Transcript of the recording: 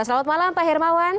selamat malam pak hermawan